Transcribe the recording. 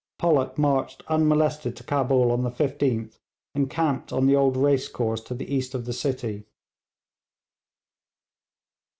Pollock marched unmolested to Cabul on the 15th, and camped on the old racecourse to the east of the city.